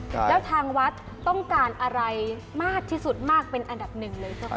แล้วทางวัดต้องการอะไรมากที่สุดมากเป็นอันดับหนึ่งเลยใช่ไหม